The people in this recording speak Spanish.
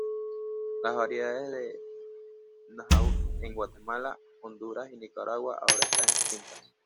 Las variedades del náhuat en Guatemala, Honduras, y Nicaragua ahora están extintas.